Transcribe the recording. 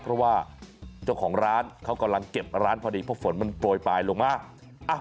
เพราะว่าเจ้าของร้านเขากำลังเก็บร้านพอดีเพราะฝนมันโปรยปลายลงมา